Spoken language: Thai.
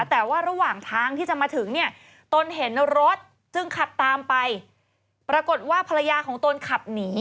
แต่ว่าระหว่างทางที่จะมาถึงเนี่ยตนเห็นรถจึงขับตามไปปรากฏว่าภรรยาของตนขับหนี